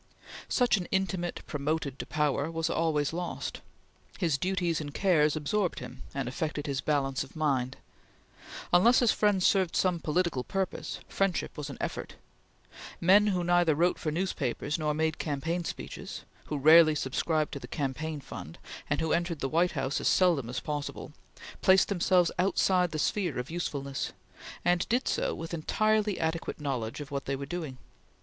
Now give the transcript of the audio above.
Such an intimate, promoted to power, was always lost. His duties and cares absorbed him and affected his balance of mind. Unless his friend served some political purpose, friendship was an effort. Men who neither wrote for newspapers nor made campaign speeches, who rarely subscribed to the campaign fund, and who entered the White House as seldom as possible, placed themselves outside the sphere of usefulness, and did so with entirely adequate knowledge of what they were doing.